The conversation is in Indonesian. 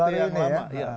ketimbang partai yang lama